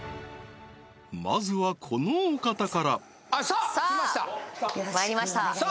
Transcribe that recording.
まずはこのお方からさあまいりましたさあ